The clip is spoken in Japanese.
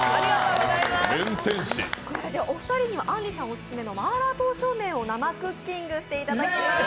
お二人にはあんりさんオススメのマーラー刀削麺を生クッキングしていただきます。